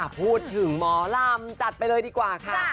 พูดถึงหมอลำจัดไปเลยดีกว่าค่ะ